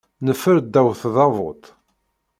Neffer ddaw tdabut.